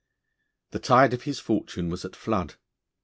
The tide of his fortune was at flood.